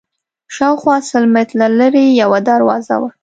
شاوخوا سل متره لرې یوه دروازه وه.